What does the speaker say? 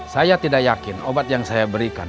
saya tidak yakin obat yang saya berikan